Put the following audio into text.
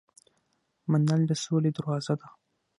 منل د سولې دروازه ده.